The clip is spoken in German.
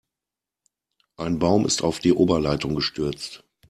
Ein Baum ist auf die Oberleitung gestürzt.